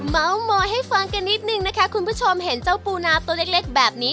เมาส์มอยให้ฟังกันนิดนึงนะคะคุณผู้ชมเห็นเจ้าปูนาตัวเล็กแบบนี้